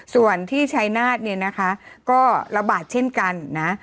ส่วนที่ชายนาฏเนี่ยนะคะก็ระบาดเช่นกันนะ